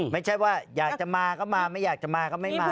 ไม่ใช่ว่าอยากจะมาก็มาไม่อยากจะมาก็ไม่มา